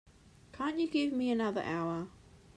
Can't you give me another hour?